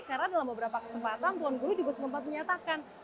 karena dalam beberapa kesempatan tuan guru juga sempat menyatakan